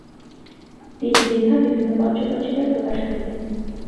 তিনি লেখা বিভিন্ন পত্রপত্রিকায় প্রকাশ করতেন।